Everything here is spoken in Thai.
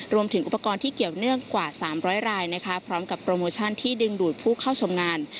รวมถึงอุปกรณ์ที่เกี่ยวเนื่องกว่า๓๐๐รายพร้อมกับโปรโมชั่นที่ดึงดูดผู้เข้าชมงาน